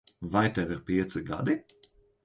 Vai tev ir pieci gadi?